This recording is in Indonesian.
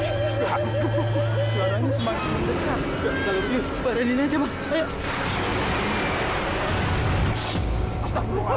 suaranya semangat mendengar